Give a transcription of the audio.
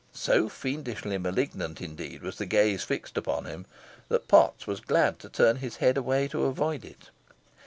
So fiendishly malignant, indeed, was the gaze fixed upon him, that Potts was glad to turn his head away to avoid it.